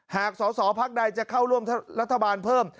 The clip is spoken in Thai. สอสอพักใดจะเข้าร่วมรัฐบาลเพิ่ม